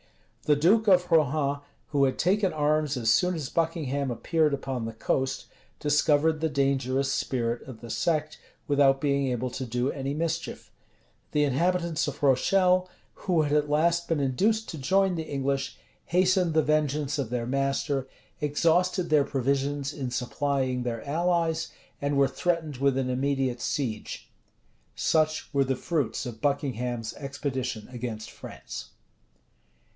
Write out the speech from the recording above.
The duke of Rohan, who had taken arms as soon as Buckingham appeared upon the coast, discovered the dangerous spirit of the sect, without being able to do any mischief; the inhabitants of Rochelle, who had at last been induced to join the English, hastened the vengeance of their master, exhausted their provisions in supplying their allies, and were threatened with an immediate siege. Such were the fruits of Buckingham's expedition against France.